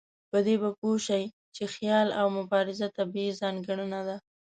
په دې به پوه شئ چې سيالي او مبارزه طبيعي ځانګړنه ده.